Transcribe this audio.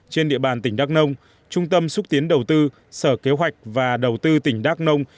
trên địa bàn tỉnh đắk nông trung tâm xúc tiến đầu tư sở kế hoạch và đầu tư tỉnh đắk nông